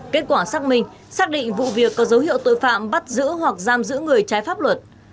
kết quả xác minh xác định vụ việc có dấu hiệu tội phạm bắt giữ hoặc giam giữ người trái pháp luật